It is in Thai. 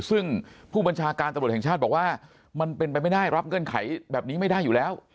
ซึ่งผู้บัญชาการตำรวจแห่งชาติบอกว่ามันเป็นไปไม่ได้รับเงื่อนไขแบบนี้ไม่ได้อยู่แล้ว